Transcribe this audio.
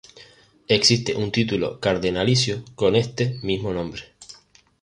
Existe un título cardenalicio con este mismo nombre.